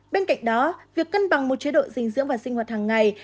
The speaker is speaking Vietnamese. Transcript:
bên cạnh đó việc cân bằng một chế độ dinh dưỡng và sinh hoạt hàng ngày